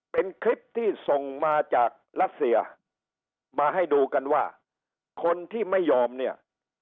เป็นคลิปที่ส่งมาจากรัสเซียมาให้ดูกันว่าคนที่ไม่ยอมเนี่ย